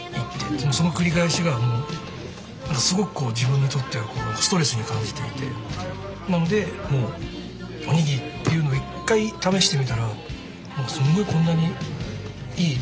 その繰り返しがもうすごく自分にとってはストレスに感じていてなのでもうおにぎりっていうのを一回試してみたらすごいこんなにいい便利だとか思って。